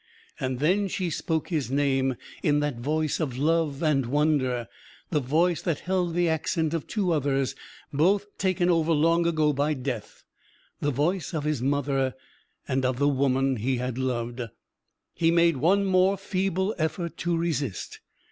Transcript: And then she spoke his name in that voice of love and wonder, the voice that held the accent of two others both taken over long ago by Death the voice of his mother, and of the woman he had loved. He made one more feeble effort to resist.